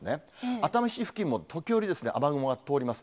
熱海市付近も、時折雨雲が通ります。